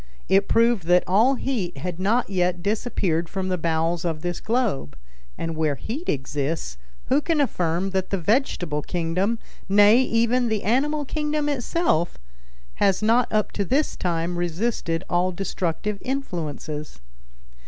It proved that all heat had not yet disappeared from the bowels of this globe; and where heat exists, who can affirm that the vegetable kingdom, nay, even the animal kingdom itself, has not up to this time resisted all destructive influences?